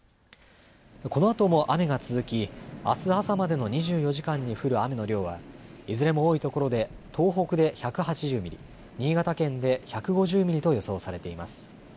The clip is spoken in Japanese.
このあとも雨が続きあす朝までの２４時間に降る雨の量はいずれも多いところで東北で１８０ミリ、新潟県で１５０ミリと予想されています。